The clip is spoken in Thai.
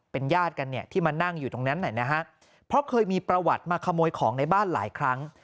เป็นญาติกันเนี่ยที่มานั่งอยู่ตรงนั้นนะฮะเพราะเคยมีประวัติมาขโมยของในบ้านหลายครั้ง